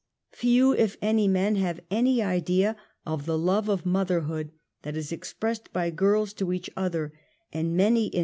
Few, if any men have any idea of the love of motherhood that is expressed by girls to each other, and many an.